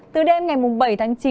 từ đêm ngày bảy tháng chín